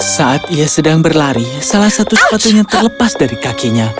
saat ia sedang berlari salah satu sepatunya terlepas dari kakinya